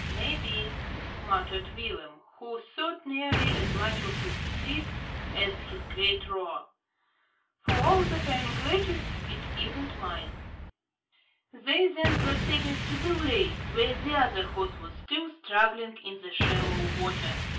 "May be," muttered Willem, who thought nearly as much of his steed as his great roer. "For all that I'm glad it isn't mine." They then proceeded to the vley, where the other horse was still struggling in the shallow water.